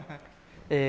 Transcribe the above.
え